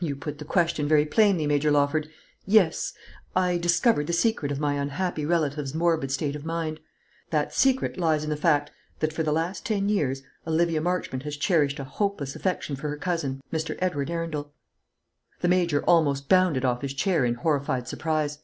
"You put the question very plainly, Major Lawford. Yes; I discovered the secret of my unhappy relative's morbid state of mind. That secret lies in the fact, that for the last ten years Olivia Marchmont has cherished a hopeless affection for her cousin, Mr. Edward Arundel." The Major almost bounded off his chair in horrified surprise.